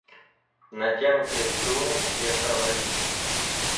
Натянутые струны все сорвались.